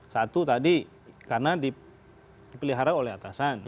satu tadi karena dipelihara oleh atasan